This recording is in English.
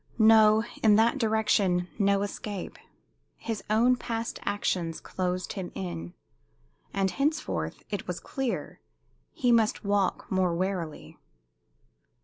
No in that direction, no escape; his own past actions closed him in. And henceforth, it was clear, he must walk more warily.